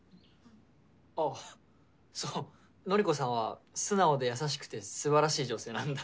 あっそう典子さんは素直で優しくてすばらしい女性なんだ。